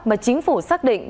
mà chính phủ xác định